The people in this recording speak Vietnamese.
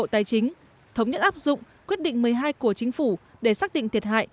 thống nhất áp dụng quyết định một mươi hai của chính phủ để xác định thiệt hại